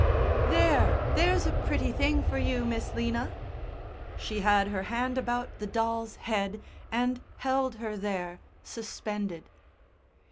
"There! There's a pretty thing for you, Miss 'Lina." She had her hand about the doll's head, and held her there, suspended.